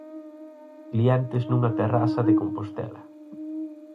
Clientes nunha terraza de Compostela.